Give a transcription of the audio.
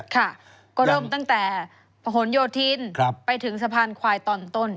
ค่ะก็เริ่มตั้งแต่พหนโยธินไปถึงสะพานควายตอนต้น